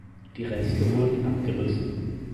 Die Reste wurden abgerissen.